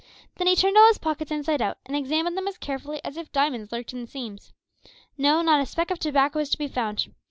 Then he turned all his pockets inside out, and examined them as carefully as if diamonds lurked in the seams. No, not a speck of tobacco was to be found!